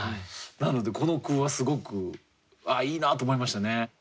なのでこの句はすごくいいなあと思いましたね。